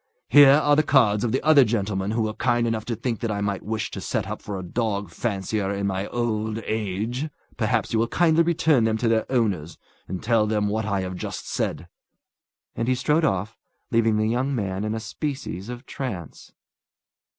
Here are the cards of the other gentlemen who were kind enough to think that I might wish to set up for a dog fancier in my old age. Perhaps you will kindly return them to their owners, and tell them what I have just said." And he strode off, leaving the young man in a species of trance.